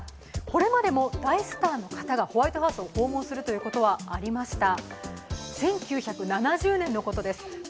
これまでも大スターの方がホワイトハウスを訪問するということはありました。